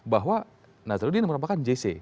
bahwa nazarudin merupakan jc